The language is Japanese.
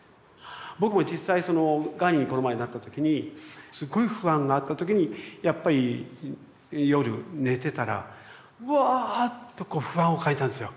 僕も実際そのがんにこの前なった時にすごい不安があった時にやっぱり夜寝てたらうわぁとこう不安を感じたんですよ。